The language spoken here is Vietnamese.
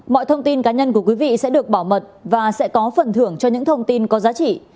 mọi thông tin cá nhân của quý vị sẽ được bảo mật và sẽ có phần thưởng cho những thông tin có giá trị